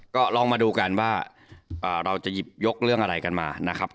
ก็ลองมาดูกันว่าเราจะยกเรื่องอะไรกันมา